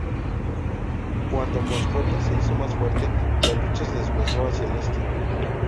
Cuando Moscovia se hizo más fuerte, la lucha se desplazó hacia el este.